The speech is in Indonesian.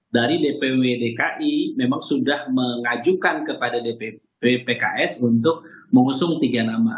dari dpw dki memang sudah mengajukan kepada dpp pks untuk mengusung tiga nama